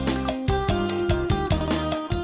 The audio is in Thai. คนชอบแบบไหนเป็นตัวเป็นตัวเป็นตัวเป็นตัวเป็นตัว